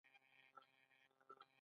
چې خپل ګاونډی وپیژني.